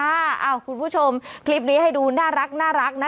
คุณผู้ชมคลิปนี้ให้ดูน่ารักนะ